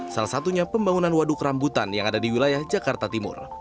salah satunya pembangunan waduk rambutan yang ada di wilayah jakarta timur